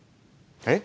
えっ？